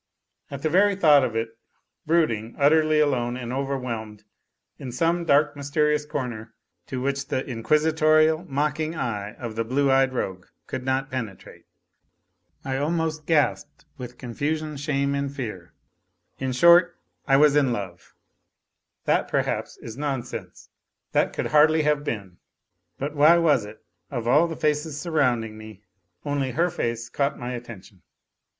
At the very thought of it, brooding, utterly alone and overwhelmed, in some dark mj'sterious corner to which the inquisitorial mocking eye of the blue eyed rogue could not penetrate, I almost gasped with confusion, shame and fear in short, I was in love ; that perhaps is nonsense, that could hardly have been. But why was it, of all the faces surrounding me, only her face caught my attention